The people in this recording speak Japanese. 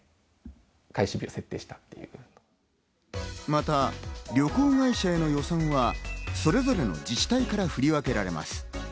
また旅行会社への予算はそれぞれの自治体から振り分けられます。